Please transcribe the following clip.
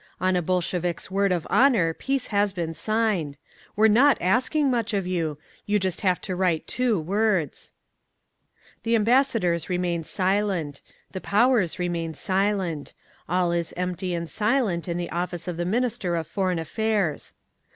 On a Bolshevik's word of honour, Peace has been signed. We're not asking much of you; you just have to write two words…. "The ambassadors remain silent. The Powers remain silent. All is empty and silent in the office of the Minister of Foreign Affairs.